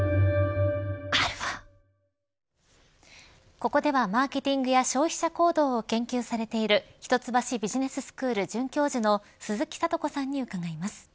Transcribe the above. ここではマーケティングや消費者行動を研究されている一橋ビジネススクール教授の鈴木智子さんに伺います。